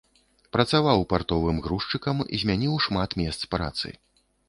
Працаваў партовым грузчыкам, змяніў шмат месц працы.